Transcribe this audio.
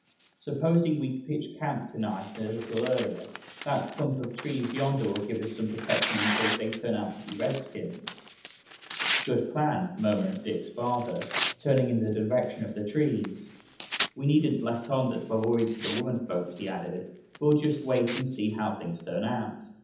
"Supposing we pitch camp to night a little earlier. That clump of trees yonder will give us some protection in case they turn out to be redskins." "Good plan," murmured Dick's father, turning in the direction of the trees. "We needn't let on we're worried to the women folks," he added, "we'll just wait and see how things turn out.